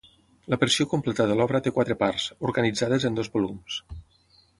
La versió completa de l'obra té quatre parts, organitzades en dos volums.